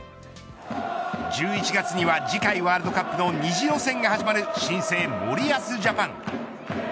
１１月には次回ワールドカップの２次予選が始まる新生森保ジャパン。